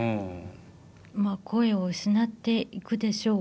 まあ声を失っていくでしょう